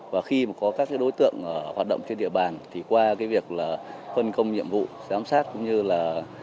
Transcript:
và khi mà có các đối tượng hoạt động trên địa bàn thì qua cái việc là phân công nhiệm vụ giám sát cũng như là